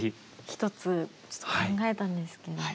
１つ考えたんですけど。